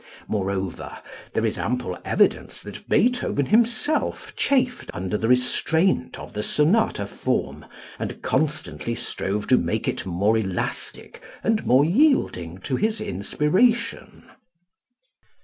Moreover, there is ample evidence that Beethoven himself chafed under the restraint of the sonata form and constantly strove to make it more elastic and more yielding to his inspiration.